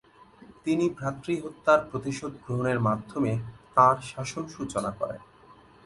তিনি ভ্রাতৃহত্যার প্রতিশোধ গ্রহণের মাধ্যমে তাঁর শাসন সূচনা করেন।